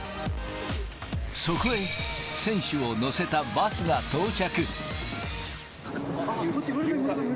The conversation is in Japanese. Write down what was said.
そこへ、選手を乗せたバスが到着。